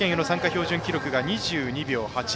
標準記録が２２秒８０。